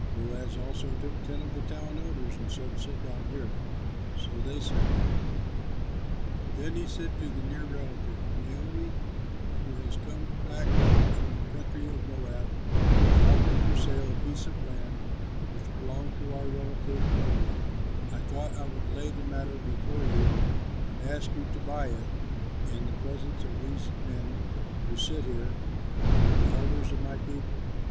Boaz also took ten of the town elders and said, "Sit down here." So they sat down. Then he said to the near relative, "Naomi, who has come back from the country of Moab, is offering for sale the piece of land which belonged to our relative Elimelech, and I thought that I would lay the matter before you, and ask you to buy it in the presence of these men who sit here and of the elders of my people.